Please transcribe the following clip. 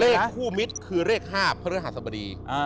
เลขคู่มิตรคือเลข๕เพราะเรื่องหักสบดี